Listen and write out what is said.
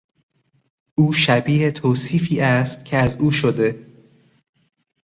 او شبیه توصیفی است که از او شده.